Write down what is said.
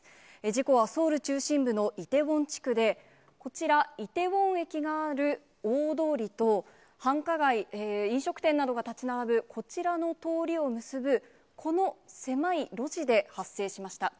事故は、ソウル中心部のイテウォン地区で、こちら、イテウォン駅がある大通りと、繁華街、飲食店などが建ち並ぶこちらの通りを結ぶ、この狭い路地で発生しました。